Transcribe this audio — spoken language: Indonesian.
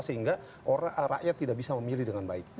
sehingga rakyat tidak bisa memilih dengan baik